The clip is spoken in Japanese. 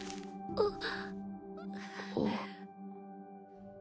あっ